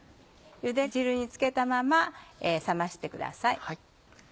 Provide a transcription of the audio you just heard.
ゆで汁に漬けたまま冷ましてください。